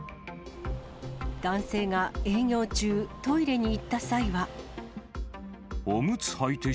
男性が営業中、トイレに行った際は。